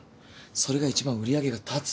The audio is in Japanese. それが一番売り上げが立つ。